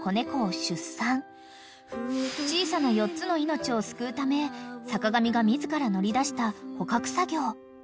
［小さな４つの命を救うため坂上が自ら乗り出した捕獲作業］